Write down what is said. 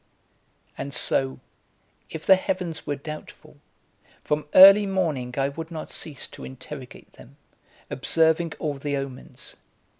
And so, if the heavens were doubtful, from early morning I would not cease to interrogate them, observing all the omens.